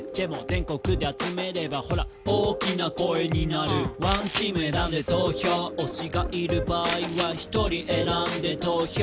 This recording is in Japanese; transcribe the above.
「全国で集めればほら大きな声になる」「１チーム選んで投票」「推しがいる場合は１人選んで投票」